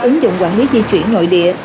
ứng dụng quản lý di chuyển nội địa